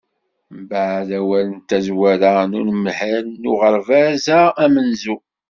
Mbeɛd awal n tazwara n unemhal n uɣerbaz-a amenzu.